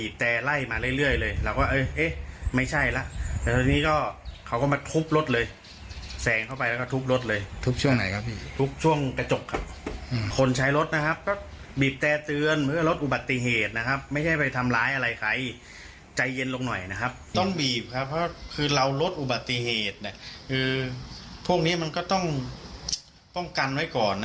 พวกนี้มันก็ต้องป้องกัลไว้ก่อน